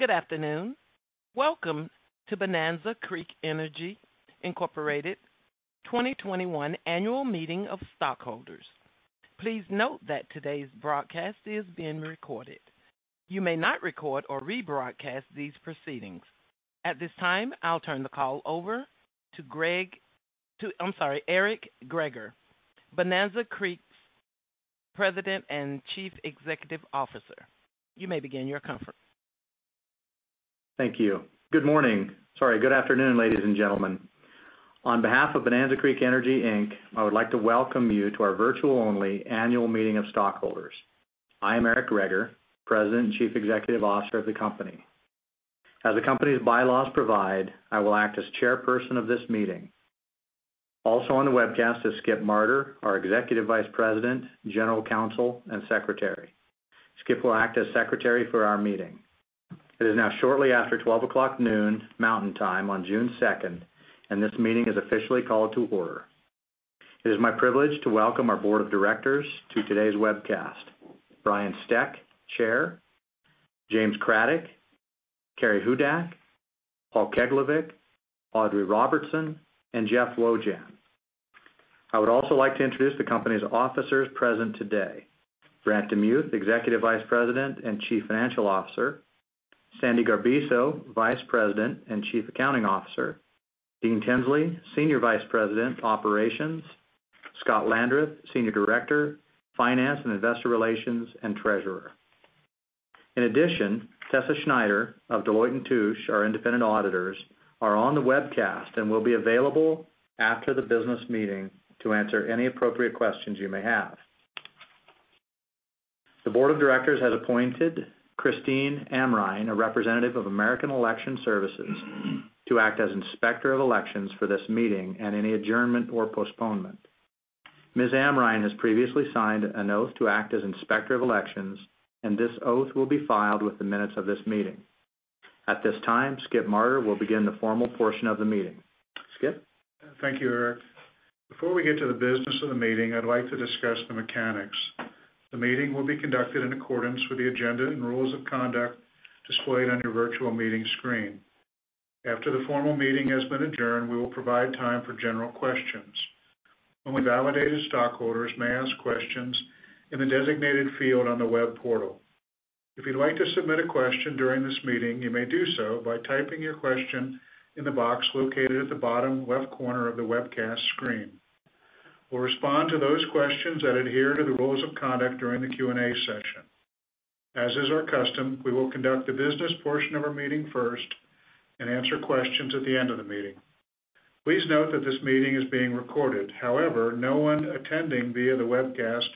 Good afternoon, welcome to Bonanza Creek Energy Incorporated 2021 Annual Meeting of Stockholders. Please note that today's broadcast is being recorded. You may not record or rebroadcast these proceedings. At this time, I'll turn the call over to Eric Greager, Bonanza Creek's President and Chief Executive Officer. Thank you, good morning. Sorry, good afternoon, ladies and gentlemen. On behalf of Bonanza Creek Energy, Inc., I would like to welcome you to our virtual-only annual meeting of stockholders. I am Eric Greager, President and Chief Executive Officer of the company. As the company's bylaws provide, I will act as chairperson of this meeting. Also on the webcast is Skip Marter, our Executive Vice President, General Counsel, and Secretary. Skip will act as Secretary for our meeting. It is now shortly after 12:00 P.M. Mountain Time on June second, and this meeting is officially called to order. It is my privilege to welcome our Board of Directors to today's webcast. Brian Steck, Chair, James Craddock, Carrie Hudak, Paul Keglevic, Audrey Robertson, and Jeff Wojahn. I would also like to introduce the company's Officers present today. Brant DeMuth, Executive Vice President and Chief Financial Officer, Sandy Garbiso, Vice President and Chief Accounting Officer, Dean Tinsley, Senior Vice President, operations, Scott Landreth, Senior Director, Finance and Investor Relations, and Treasurer. In addition, Tessa Schneider of Deloitte & Touche, our independent auditors, are on the webcast and will be available after the business meeting to answer any appropriate questions you may have. The board of directors has appointed Christine Amrhein, a representative of American Election Services, to act as Inspector of Elections for this meeting and any adjournment or postponement. Ms. Amrhein has previously signed an oath to act as Inspector of Elections, and this oath will be filed with the minutes of this meeting. At this time, Skip Marter will begin the formal portion of the meeting, Skip? Thank you, Eric. Before we get to the business of the meeting, I'd like to discuss the mechanics. The meeting will be conducted in accordance with the agenda and rules of conduct displayed on your virtual meeting screen. After the formal meeting has been adjourned, we will provide time for general questions. Only validated stockholders may ask questions in the designated field on the web portal. If you'd like to submit a question during this meeting, you may do so by typing your question in the box located at the bottom left corner of the webcast screen. We'll respond to those questions that adhere to the rules of conduct during the Q&A session. As is our custom, we will conduct the business portion of our meeting first and answer questions at the end of the meeting. Please note that this meeting is being recorded. However, no one attending via the webcast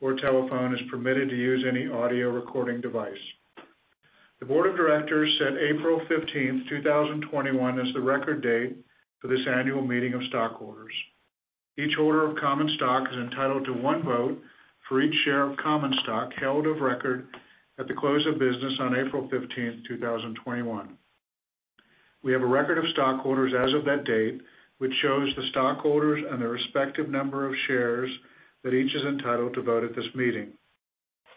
or telephone is permitted to use any audio recording device. The board of directors set April 15th, 2021, as the record date for this annual meeting of stockholders. Each holder of common stock is entitled to one vote for each share of common stock held of record at the close of business on April 15th, 2021. We have a record of stockholders as of that date, which shows the stockholders and the respective number of shares that each is entitled to vote at this meeting.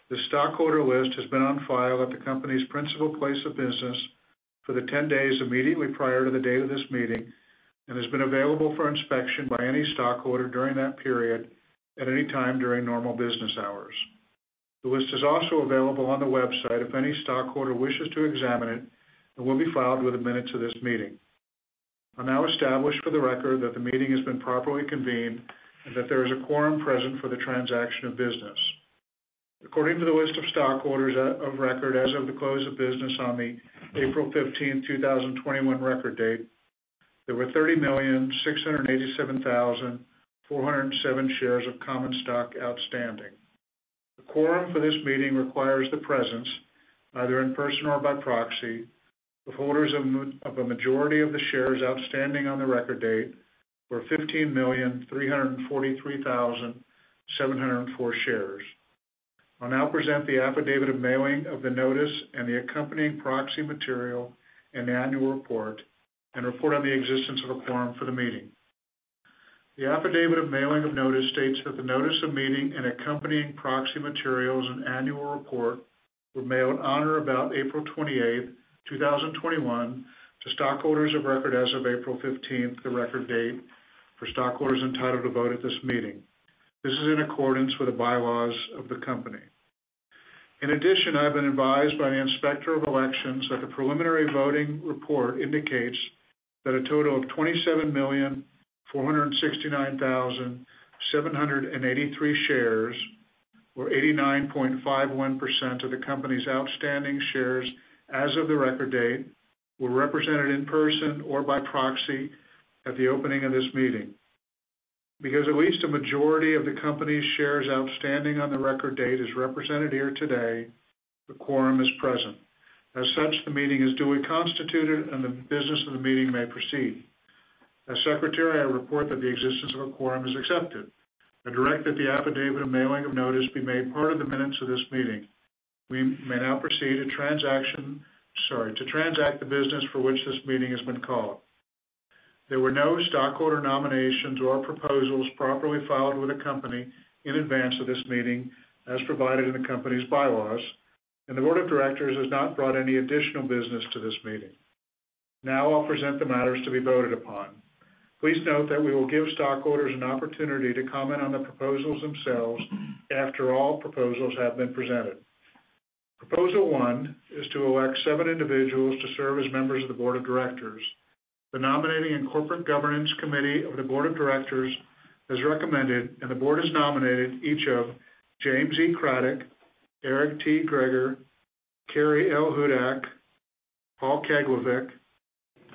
The stockholder list has been on file at the company's principal place of business for the 10 days immediately prior to the date of this meeting and has been available for inspection by any stockholder during that period at any time during normal business hours. The list is also available on the website if any stockholder wishes to examine it and will be filed with the minutes of this meeting. I now establish for the record that the meeting has been properly convened and that there is a quorum present for the transaction of business. According to the list of stockholders of record as of the close of business on the April 15th, 2021, record date, there were 30,687,407 shares of common stock outstanding. The quorum for this meeting requires the presence, either in person or by proxy, of holders of a majority of the shares outstanding on the record date for 15,343,704 shares. I'll now present the affidavit of mailing of the notice and the accompanying proxy material and annual report and report on the existence of a quorum for the meeting. The affidavit of mailing of notice states that the notice of meeting and accompanying proxy material as an annual report were mailed on or about April 28th, 2021, to stockholders of record as of April 15th, the record date, for stockholders entitled to vote at this meeting. This is in accordance with the bylaws of the company. In addition, I've been advised by an Inspector of Elections that the preliminary voting report indicates that a total of 27,469,783 shares, or 89.51% of the company's outstanding shares as of the record date, were represented in person or by proxy at the opening of this meeting. Because at least a majority of the company's shares outstanding on the record date is represented here today, the quorum is present. As such, the meeting is duly constituted, and the business of the meeting may proceed. As secretary, I report that the existence of a quorum is accepted. I direct that the affidavit of mailing of notice be made part of the minutes of this meeting. We may now proceed to transact the business for which this meeting has been called. There were no stockholder nominations or proposals properly filed with the company in advance of this meeting, as provided in the company's bylaws, and the board of directors has not brought any additional business to this meeting. I'll present the matters to be voted upon. Please note that we will give stockholders an opportunity to comment on the proposals themselves after all proposals have been presented. Proposal one is to elect seven individuals to serve as members of the board of directors. The nominating and corporate governance committee of the board of directors has recommended, and the board has nominated, each of James E.- Craddock, Eric T. Greager, Carrie L. Hudak, Paul Keglevic,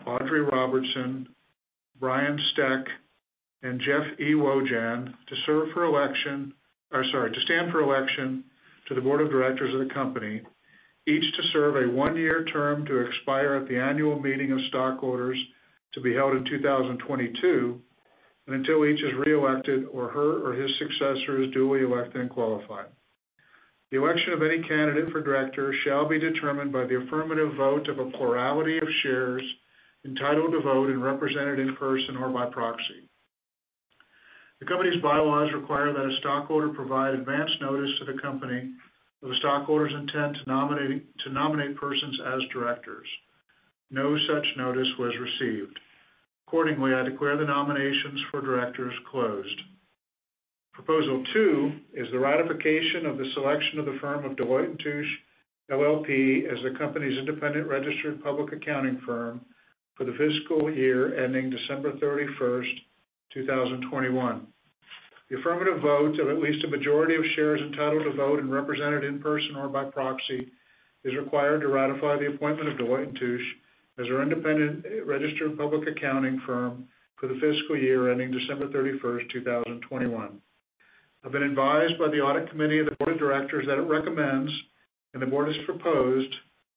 Audrey Robertson, Brian Steck, and Jeff E. Wojahn to stand for election to the board of directors of the company, each to serve a one-year term to expire at the annual meeting of stockholders to be held in 2022, and until each is reelected or her or his successor is duly elected and qualified. The election of any candidate for director shall be determined by the affirmative vote of a plurality of shares entitled to vote and represented in person or by proxy. The company's bylaws require that a stockholder provide advance notice to the company of a stockholder's intent to nominate persons as directors. No such notice was received. Accordingly, I declare the nominations for directors closed. Proposal two is the ratification of the selection of the firm of Deloitte & Touche LLP as the company's independent registered public accounting firm for the fiscal year ending December 31, 2021. The affirmative vote of at least a majority of shares entitled to vote and represented in person or by proxy is required to ratify the appointment of Deloitte & Touche as our independent registered public accounting firm for the fiscal year ending December 31st, 2021. I've been advised by the audit committee of the board of directors that it recommends, and the board has proposed,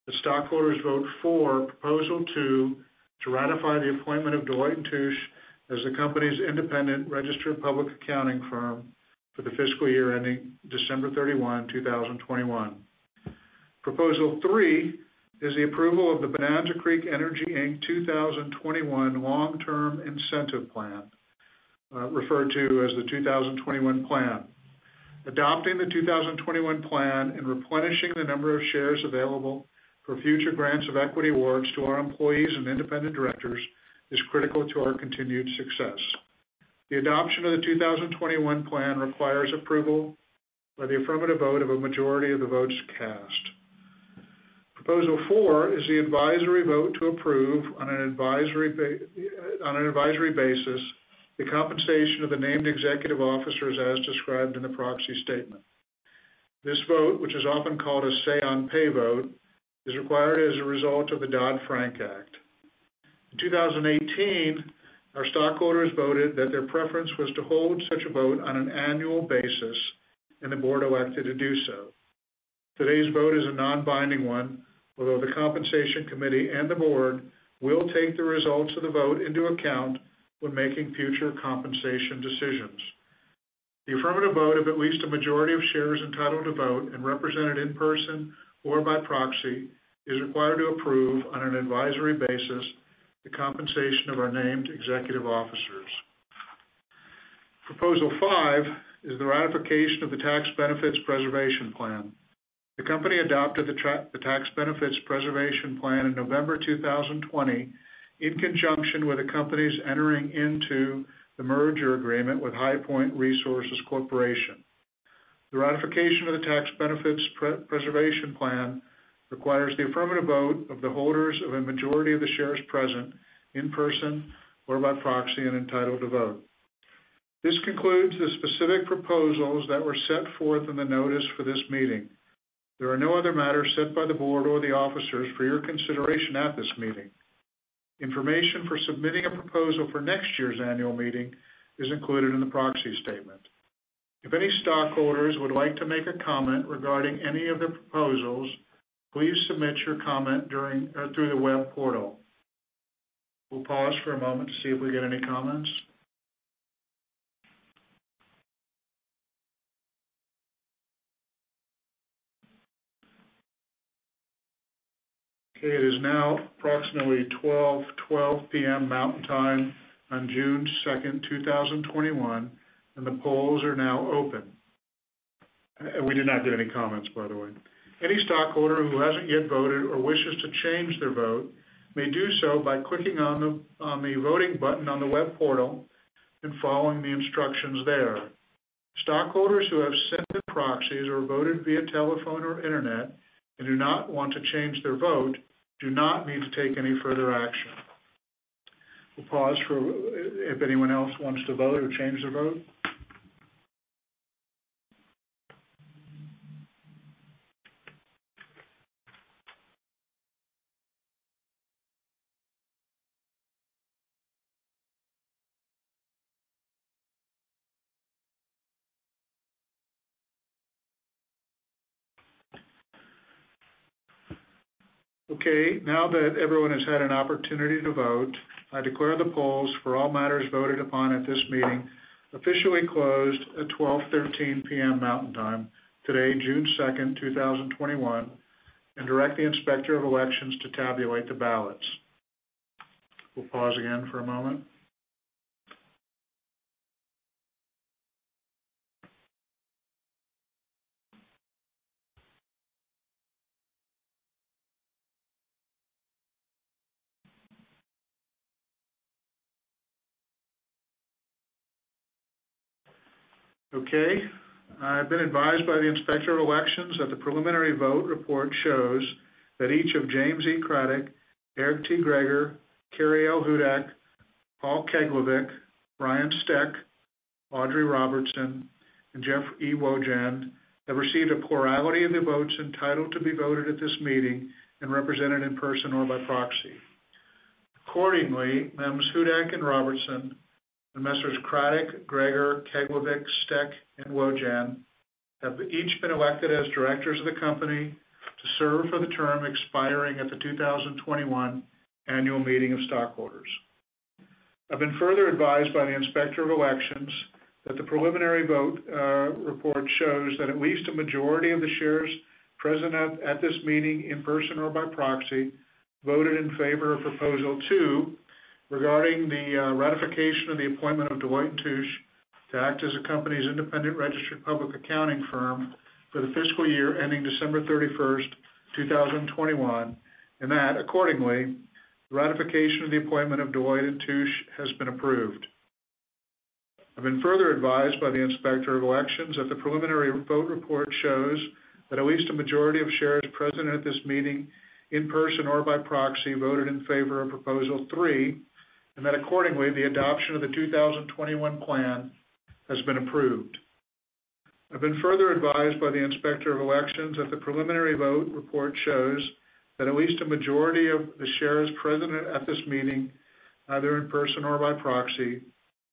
that stockholders vote for Proposal 2 to ratify the appointment of Deloitte & Touche as the company's independent registered public accounting firm for the fiscal year ending December 31, 2021. Proposal three is the approval of the Bonanza Creek Energy, Inc. 2021 Long-Term Incentive Plan, referred to as the 2021 plan. Adopting the 2021 plan and replenishing the number of shares available for future grants of equity awards to our employees and independent directors is critical to our continued success. The adoption of the 2021 plan requires approval by the affirmative vote of a majority of the votes cast. Proposal four is the advisory vote to approve, on an advisory basis, the compensation of the named executive officers as described in the proxy statement. This vote, which is often called a say on pay vote, is required as a result of the Dodd-Frank Act. In 2018, our stockholders voted that their preference was to hold such a vote on an annual basis, and the Board elected to do so. Today's vote is a non-binding one, although the Compensation Committee and the Board will take the results of the vote into account when making future compensation decisions. The affirmative vote of at least a majority of shares entitled to vote and represented in person or by proxy is required to approve, on an advisory basis, the compensation of our named executive officers. Proposal 5 is the ratification of the Tax Benefits Preservation Plan. The company adopted the Tax Benefits Preservation Plan in November 2020 in conjunction with the company's entering into the merger agreement with HighPoint Resources Corporation. The ratification of the Tax Benefits Preservation Plan requires the affirmative vote of the holders of a majority of the shares present in person or by proxy and entitled to vote. This concludes the specific proposals that were set forth in the notice for this meeting. There are no other matters set by the board or the officers for your consideration at this meeting. Information for submitting a proposal for next year's annual meeting is included in the proxy statement. If any stockholders would like to make a comment regarding any of the proposals, please submit your comment through the web portal. We'll pause for a moment to see if we get any comments. Okay, it is now approximately 12:12 P.M. Mountain Time on June second, 2021, and the polls are now open. We did not get any comments, by the way. Any stockholder who hasn't yet voted or wishes to change their vote may do so by clicking on the voting button on the web portal and following the instructions there. Stockholders who have sent in proxies or voted via telephone or internet and do not want to change their vote do not need to take any further action. We'll pause for if anyone else wants to vote or change their vote. Okay, now that everyone has had an opportunity to vote, I declare the polls for all matters voted upon at this meeting officially closed at 12:13 P.M. Mountain Time, today, June second, 2021. Direct the Inspector of Elections to tabulate the ballots. We'll pause again for a moment. Okay. I've been advised by the Inspector of Elections that the preliminary vote report shows that each of James E. Craddock, Eric T. Greager, Carrie L. Hudak, Paul Keglevic, Brian Steck, Audrey Robertson, and Jeff E. Wojahn have received a plurality of the votes entitled to be voted at this meeting and represented in person or by proxy. Accordingly, Mmes Hudak and Robertson, and Messrs. Craddock, Greager, Keglevic, Steck, and Wojahn have each been elected as directors of the company to serve for the term expiring at the 2021 annual meeting of stockholders. I've been further advised by the Inspector of Elections that the preliminary vote report shows that at least a majority of the shares present at this meeting, in person or by proxy, voted in favor of Proposal 2 regarding the ratification of the appointment of Deloitte & Touche to act as the company's independent registered public accounting firm for the fiscal year ending December 31st, 2021, and that accordingly, the ratification of the appointment of Deloitte & Touche has been approved. I've been further advised by the Inspector of Elections that the preliminary vote report shows that at least a majority of shares present at this meeting, in person or by proxy, voted in favor of Mmes, and that accordingly, the adoption of the 2021 Plan has been approved. I've been further advised by the Inspector of Elections that the preliminary vote report shows that at least a majority of the shares present at this meeting, either in person or by proxy,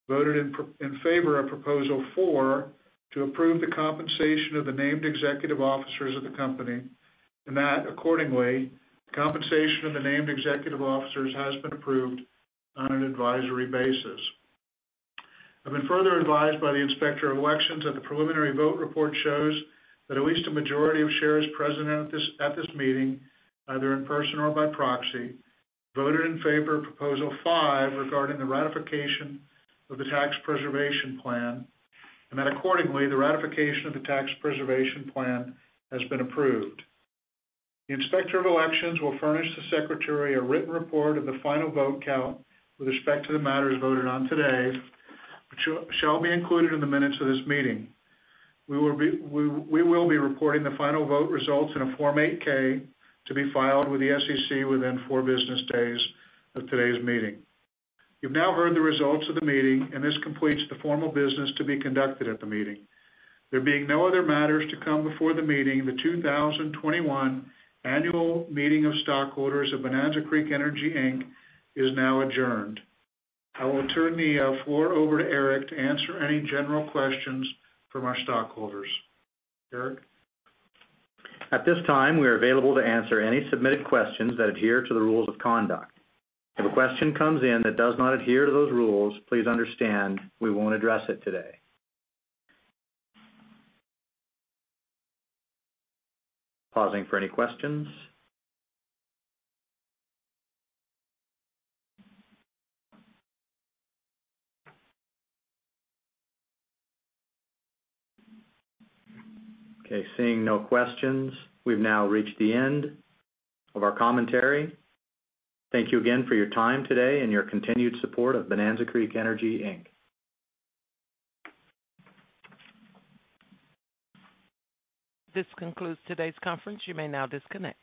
voted in favor of Proposal 4 to approve the compensation of the named executive officers of the company, and that accordingly, the compensation of the named executive officers has been approved on an advisory basis. I've been further advised by the Inspector of Elections that the preliminary vote report shows that at least a majority of shares present at this meeting, either in person or by proxy, voted in favor of Proposal five regarding the ratification of the Tax Preservation Plan, and that accordingly, the ratification of the Tax Preservation Plan has been approved. The Inspector of Elections will furnish the secretary a written report of the final vote count with respect to the matters voted on today, which shall be included in the minutes of this meeting. We will be reporting the final vote results in a Form 8-K to be filed with the SEC within four business days of today's meeting. You've now heard the results of the meeting, and this completes the formal business to be conducted at the meeting. There being no other matters to come before the meeting, the 2021 annual meeting of stockholders of Bonanza Creek Energy, Inc. is now adjourned. I will turn the floor over to Eric to answer any general questions from our stockholders. Eric? At this time, we are available to answer any submitted questions that adhere to the rules of conduct. If a question comes in that does not adhere to those rules, please understand we won't address it today. Pausing for any questions. Okay, seeing no questions, we've now reached the end of our commentary. Thank you again for your time today and your continued support of Bonanza Creek Energy, Inc. This concludes today's conference; you may now disconnect.